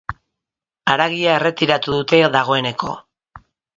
Haragia erretiratu dute dagoeneko.